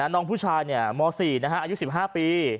น้องผู้ชายม๔อายุ๑๕ปี